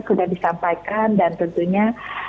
sudah disampaikan dan tentunya